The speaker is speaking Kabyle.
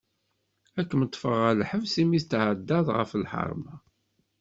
Ad kem-ṭfeɣ ɣer lḥebs imi tetɛeddaḍ ɣef lḥarma.